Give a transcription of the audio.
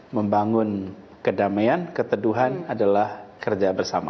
membangun kedamaian keteduhan adalah kerja bersama